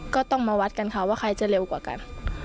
ก็ต้องมาวัดกันค่ะว่าใครจะเร็วกว่ากัน